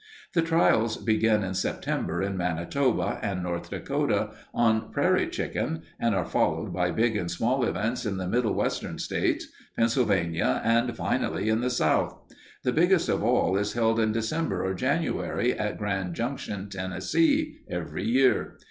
The trials begin in September in Manitoba and North Dakota, on prairie chicken, and are followed by big and small events in the Middle Western states, Pennsylvania, and finally in the South. The biggest of all is held in December or January at Grand Junction, Tennessee, every year.